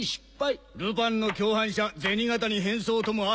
「ルパンの共犯者銭形に変装」ともあるが。